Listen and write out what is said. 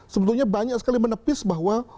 sebetulnya banyak sekali menepis bahwa